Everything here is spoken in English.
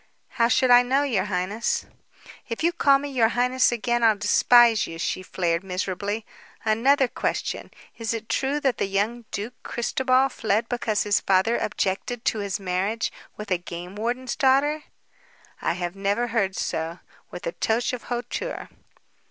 "How should I know, your highness?" "If you call me 'your highness' again I'll despise you," she flared miserably. "Another question. Is it true that the young Duke Christobal fled because his father objected to his marriage with a game warden's daughter?" "I have never heard so," with a touch of hauteur.